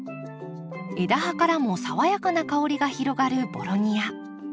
枝葉からも爽やかな香りが広がるボロニア。